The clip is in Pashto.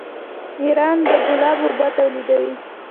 ایران د ګلابو اوبه تولیدوي.